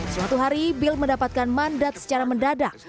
suatu hari bil mendapatkan mandat secara mendadak